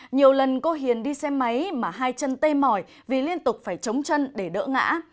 nhiều lần cô hiền đi xe máy mà hai chân tê mỏi vì liên tục phải chống chân để đỡ ngã